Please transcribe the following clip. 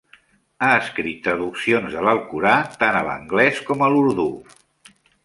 Ha escrit traduccions de l'Alcorà tant a l'anglès com a l'urdú.